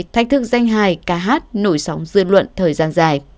thách thức danh hài ca hát nổi sóng dư luận thời gian dài